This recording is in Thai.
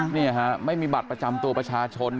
นี่ฮะไม่มีบัตรประจำตัวประชาชน